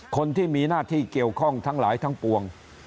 คนที่มีหน้าที่เกี่ยวข้องทั้งหลายทั้งปวง